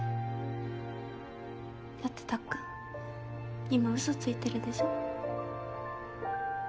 だってたっくん今うそついてるでしょ？